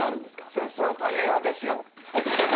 『戦争と平和』ですよ。